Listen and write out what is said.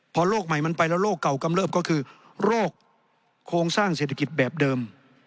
พอโลกใหม่มันไปแล้วโรคเก่ากำเลิบก็คือโรคโครงสร้างเศรษฐกิจแบบเดิม